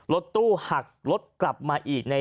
รถตู้หักรถกลับมาอีก